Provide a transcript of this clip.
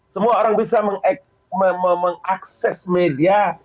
semua orang bisa mengakses media